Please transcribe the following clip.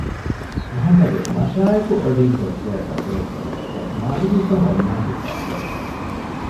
މުޙައްމަދު މަށާއެކު އޮޑިން ކޮއްޗެއަށް ދަތުރެއްކޮށްލަނިކޮށް މާލިމީކަން އޮންނާނީ ދަސްވެފަ